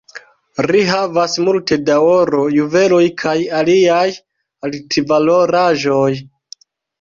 Ri havas multe da oro, juveloj kaj aliaj altvaloraĵoj.